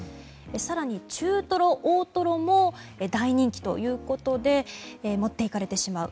更に中トロ、大トロも大人気ということで持っていかれてしまう。